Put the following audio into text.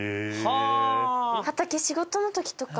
畑仕事の時とか。